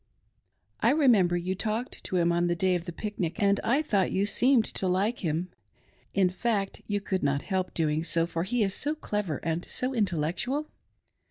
I remember you talked to him on the day of the pic nic, and I thought you seemed to like him; in fact you could not help doing so, for he is so clever and so intellectual.